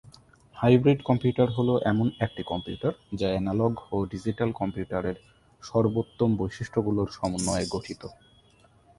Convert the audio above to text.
Hybrid computer হলো এমন একটি কম্পিউটার যা এনালগ ও ডিজিটাল কম্পিউটারের সর্বোত্তম বৈশিষ্ট্যগুলোর সমন্বয়ে গঠিত।